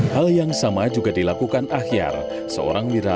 hal yang sama juga dilakukan ahyar